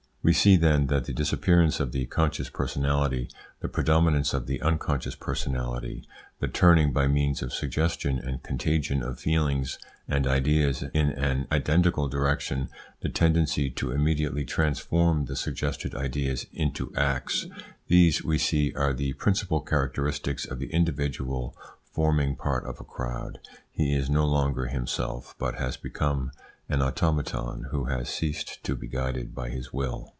We see, then, that the disappearance of the conscious personality, the predominance of the unconscious personality, the turning by means of suggestion and contagion of feelings and ideas in an identical direction, the tendency to immediately transform the suggested ideas into acts; these, we see, are the principal characteristics of the individual forming part of a crowd. He is no longer himself, but has become an automaton who has ceased to be guided by his will.